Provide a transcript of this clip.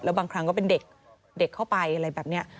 แล้วบางครั้งก็เป็นเด็กเด็กเข้าไปอะไรแบบเนี้ย